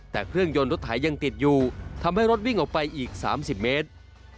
แต่เครื่องยนต์รถไถยังติดอยู่ทำให้รถวิ่งออกไปอีก๓๐เมตร